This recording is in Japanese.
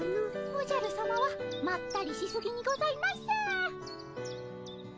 おじゃるさまはまったりしすぎにございます。